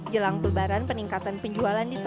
jelang bebaran peningkatan penjualan ditutupi